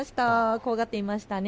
怖がっていましたね。